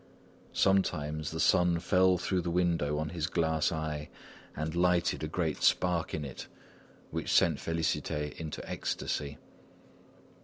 Sometimes the sun fell through the window on his glass eye, and lighted a great spark in it which sent Félicité into ecstasy.